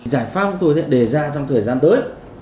giải pháp chúng tôi sẽ đề ra trong thời gian tới